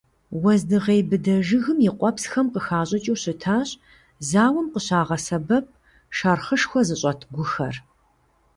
Уэздыгъей быдэ жыгым и къуэпсхэм къыхащӀыкӀыу щытащ зауэм къыщагъэсэбэп, шэрхъышхуэ зыщӀэт гухэр.